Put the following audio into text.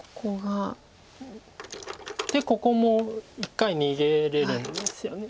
でここも１回逃げれるんですよね。